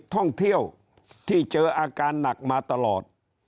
ท่องเที่ยวที่เจออาการหนักมาตลอด